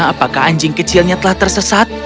apakah anjing kecilnya telah tersesat